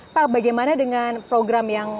pak bagaimana dengan program yang